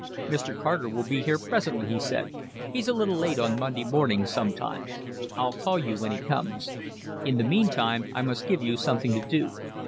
"Mr. Carter will be here presently," he said. "He's a little late on Monday mornings sometimes. I'll call you when he comes. In the meantime I must give you something to do.